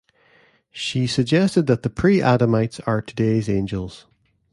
She suggested that the pre-Adamites are today's angels.